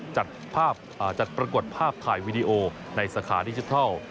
จัดปรากฏภาพถ่ายวีดีโอในสาขาดิจิทัล